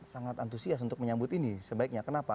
sangat antusias untuk menyambut ini sebaiknya kenapa